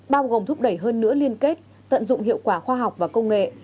bao gồm thúc đẩy hơn nữa liên kết tận dụng hiệu quả khoa học và công nghệ